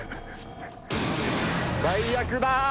最悪だ。